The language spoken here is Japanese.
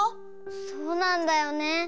そうなんだよね。